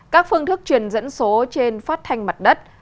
các phương thức truyền dẫn số trên phát thanh mặt đất